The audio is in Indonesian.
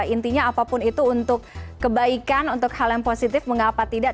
intinya apapun itu untuk kebaikan untuk hal yang positif mengapa tidak